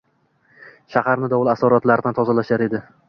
Shaharni dovul asoratlaridan tozalashar edi.